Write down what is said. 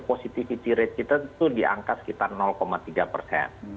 positivity rate kita itu diangkat sekitar tiga persen